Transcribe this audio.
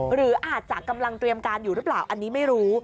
หรืออาจจะกำลังเตรียมการอยู่หรือเปล่าอันนี้ไม่รู้